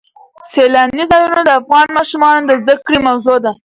سیلاني ځایونه د افغان ماشومانو د زده کړې موضوع ده.